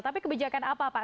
tapi kebijakan apa pak